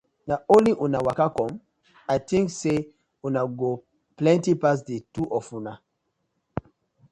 Na only una waka com? I tink say una go plenty pass di two of una.